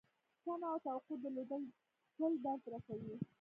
تمه او توقع درلودل تل درد رسوي .